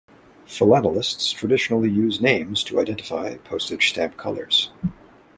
Philatelists traditionally use names to identify postage stamp colors.